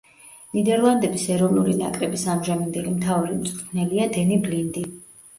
ნიდერლანდების ეროვნული ნაკრების ამჟამინდელი მთავარი მწვრთნელია დენი ბლინდი.